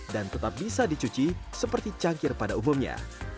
dan tetap bisa dicuci seperti cangkir pada umumnya